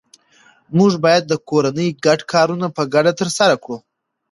موږ باید د کورنۍ ګډ کارونه په ګډه ترسره کړو